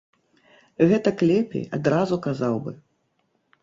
Гэтак лепей адразу казаў бы!